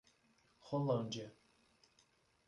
Rolândia